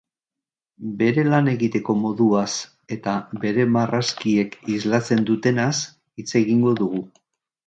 Bere lan egiteko moduaz eta bere marrazkiek islatzen dutenaz hitz egingo dugu.